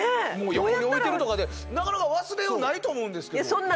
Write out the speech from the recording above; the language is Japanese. もう横に置いてるとかでなかなか忘れようないと思うんですけども。